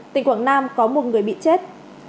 tỉnh quảng nam có một người bị chết